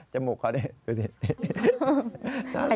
จมูกเขาเนี่ยดูสิ